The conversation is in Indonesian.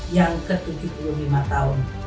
yang ke tujuh puluh lima tahun